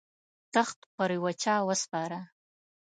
تخت پر یوه چا وسپاره.